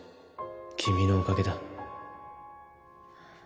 君のおかげだ